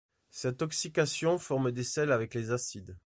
Cet oxycation forme des sels avec les acides.